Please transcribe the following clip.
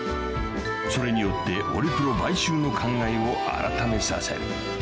［それによってオリプロ買収の考えを改めさせる］